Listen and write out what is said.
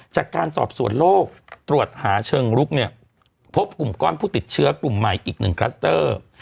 จากการสอบสวนโลกตรวจหาเชิงลุกเนี่ยพบกลุ่มก้อนผู้ติดเชื้อกลุ่มใหม่อีก๑คลัสเตอร์